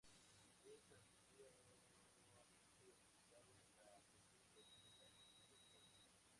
Es ampliamente utilizado en la cocina tradicional antioqueña.